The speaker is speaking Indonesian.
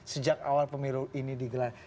sejak awal pemilu ini digelar